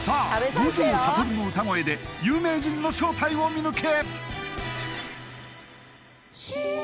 五条悟の歌声で有名人の正体を見抜け！